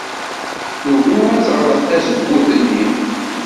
Tugi ad teɣleq tzewwut-nni.